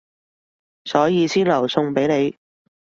所以先留餸畀你